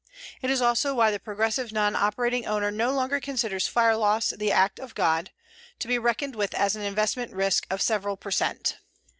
It is also why the progressive non operating owner no longer considers fire loss the act of God, to be reckoned as an investment risk of several per cent.